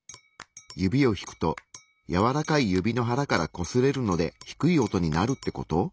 指を引くとやわらかい指の腹からこすれるので低い音になるってこと？